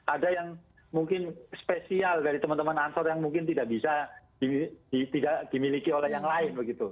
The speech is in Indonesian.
ada yang mungkin spesial dari teman teman ansor yang mungkin tidak bisa dimiliki oleh yang lain begitu